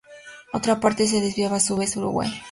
Otra parte se desviaba a su vez a Uruguay.